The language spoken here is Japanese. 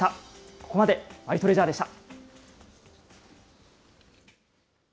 ここまでマイトレジャーでした。